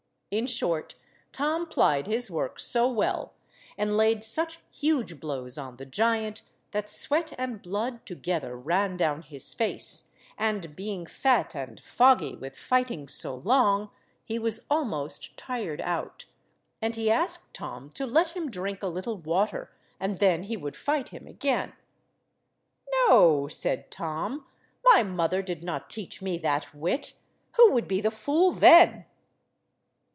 In short, Tom plied his work so well, and laid such huge blows on the giant that sweat and blood together ran down his face, and, being fat and foggy with fighting so long, he was almost tired out, and he asked Tom to let him drink a little water, and then he would fight him again. "No," said Tom, "my mother did not teach me that wit. Who would be the fool then?"